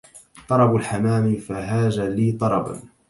طرب الحمام فهاج لي طربا